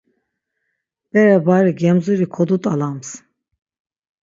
Bere-bari gemzuli kodut̆alams.